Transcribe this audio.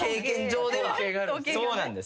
そうなんです。